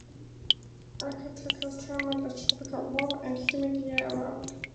Aracataca's climate is tropical: warm and humid year-round.